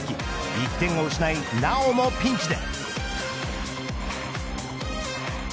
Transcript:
１点を失い、なおもピンチで。